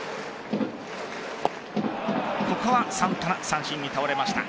ここはサンタナ三振に倒れました。